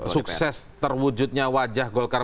sukses terwujudnya wajah golkar